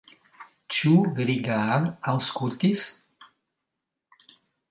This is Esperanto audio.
Ĉu Rigar aŭskultis?